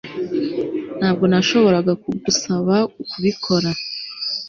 ntabwo nashoboraga kugusaba kubikora